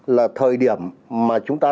là thời điểm mà chúng ta